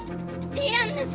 ディアンヌ様！